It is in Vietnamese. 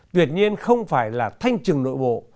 tuyệt nhiên không phải là thanh trừng nội bộ